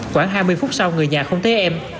khoảng hai mươi phút sau người nhà không thấy em